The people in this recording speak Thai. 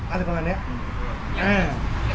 อะไรประมาณนี้